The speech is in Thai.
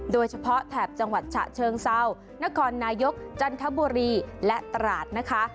โดยเฉพาะแถบจังหวัดฉะเชิงเศร้านครนายกจันทบุรีและตลาดนะคะ